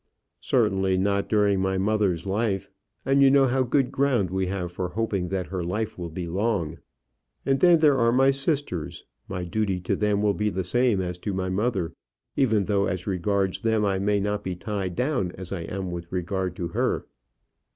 "Certainly not during my mother's life; and you know how good ground we have for hoping that her life will be long. And then there are my sisters. My duty to them will be the same as to my mother, even though, as regards them, I may not be tied down as I am with regard to her."